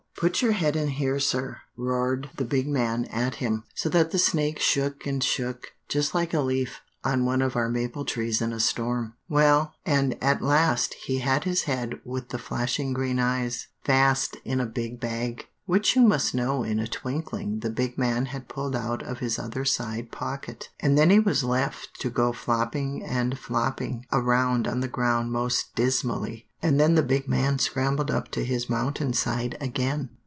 "'Put your head in here, sir,' roared the big man at him, so that the snake shook and shook just like a leaf on one of our maple trees in a storm. Well, and at last he had his head with the flashing green eyes, fast in a big bag, which you must know in a twinkling the big man had pulled out of his other side pocket, and then he was left to go flopping and flopping around on the ground most dismally. And then the big man scrambled up to his mountain side again.